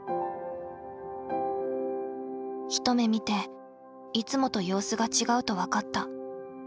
一目見ていつもと様子が違うと分かった。